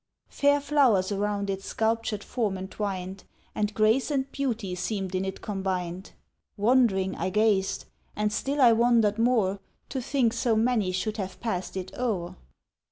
Fair flowers around its sculptured form entwined, And grace and beauty seemed in it combined. Wondering, I gazed, and still I wondered more, To think so many should have passed it o'er.